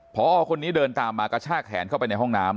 พอคนนี้เดินตามมากระชากแขนเข้าไปในห้องน้ำ